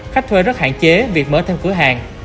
khách thuê rất hạn chế việc mở thêm cửa hàng